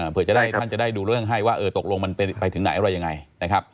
เพื่อท่านจะได้ดูเรื่องให้ว่าตกลงมันไปถึงไหนเขาว่ายังไง